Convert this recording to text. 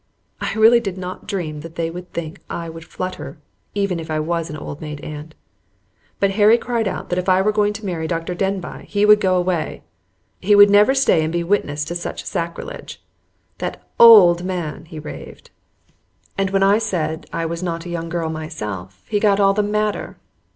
I really did not dream that they would think I would flutter, even if I was an old maid aunt. But Harry cried out that if I were going to marry Dr. Denbigh he would go away. He never would stay and be a witness to such sacrilege. "That OLD man!" he raved. And when I said I was not a young girl myself he got all the madder.